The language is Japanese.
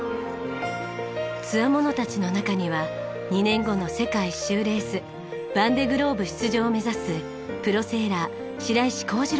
つわものたちの中には２年後の世界一周レースヴァンデ・グローブ出場を目指すプロセーラー白石康次郎さんの姿も。